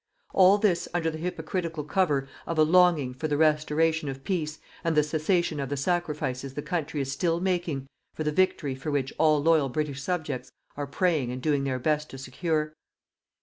All this under the hypocritical cover of a longing for the restoration of peace and the cessation of the sacrifices the country is still making for the victory for which all loyal British subjects are praying and doing their best to secure.